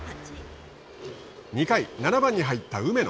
２回、７番に入った梅野。